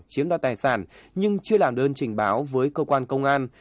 chiếm đoạt tài sản nhưng chưa làm đơn trình báo với cơ quan công an